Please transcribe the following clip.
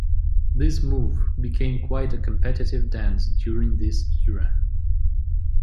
This move became quite a competitive dance during this era.